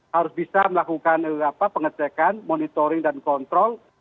harus bisa melakukan pengecekan monitoring dan kontrol